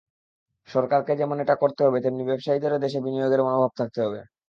সরকারকে যেমন এটা করতে হবে, তেমনি ব্যবসায়ীদেরও দেশে বিনিয়োগের মনোভাব থাকতে হবে।